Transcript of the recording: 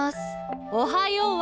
おはようは？